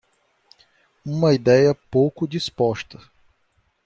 Uma ideia pouco disposta